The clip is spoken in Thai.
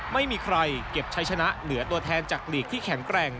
ไม่มีใครเก็บใช้ชนะเหลือตัวแทนจากลีกที่แข็งแกร่ง